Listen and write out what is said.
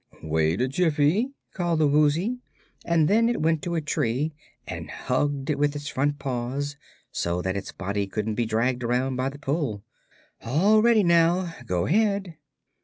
"Wait a jiffy," called the Woozy, and then it went to a tree and hugged it with its front paws, so that its body couldn't be dragged around by the pull. "All ready, now. Go ahead!"